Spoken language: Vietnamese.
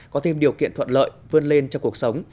có thêm điều kiện thuận lợi vươn lên trong cuộc sống